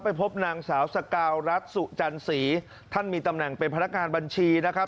พบนางสาวสกาวรัฐสุจันสีท่านมีตำแหน่งเป็นพนักงานบัญชีนะครับ